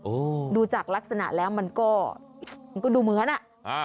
ดูจากลักษณะแล้วมันก็มันก็ดูเหมือนอ่ะอ่า